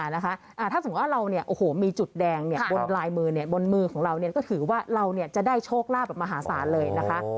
ถ้าสมมุติว่าเรามีจุดแดงบนลายมือบนมือของเราก็ถือว่าเราจะได้โชคลาภแบบมหาศาลเลยนะคะ